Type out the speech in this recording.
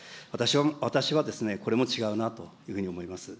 私はですね、これも違うなというふうに思います。